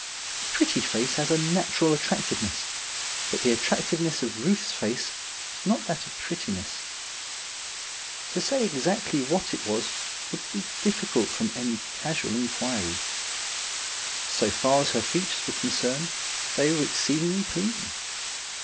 A pretty face has a natural attractiveness, but the attractive ness of Euth's face was not that of prettiness. To say exactly ■What it was would be difficult from any casual inquiry, So 1 52 STORIES WEIRD AND WONDERFUL far as lier features were concerned, they were exceedingly pleasing.